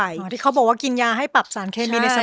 อเรนนี่อเรนนี่เขาบอกว่ากินยาให้ปรับสารเครมีในสมอง